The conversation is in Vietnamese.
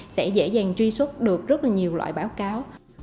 sẽ dễ dàng truy xuất được rất là nhiều loại báo cáo